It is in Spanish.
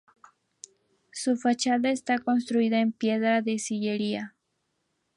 Su fachada está construida en piedra de sillería.